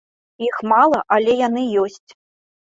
Іх мала, але яны ёсць.